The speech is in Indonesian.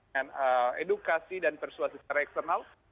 dan edukasi dan persuasi secara eksternal